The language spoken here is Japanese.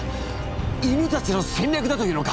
犬たちの戦略だというのか！